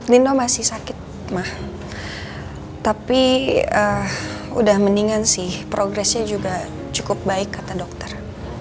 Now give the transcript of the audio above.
nino masih sakit mah tapi udah mendingan sih progresnya juga cukup baik kata dokter